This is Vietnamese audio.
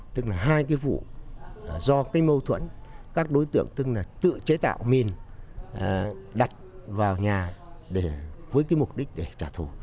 tức là hai cái vụ do cái mâu thuẫn các đối tượng tức là tự chế tạo mìn đặt vào nhà để với cái mục đích để trả thù